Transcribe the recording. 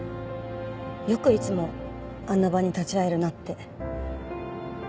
よくいつもあんな場に立ち会えるなって。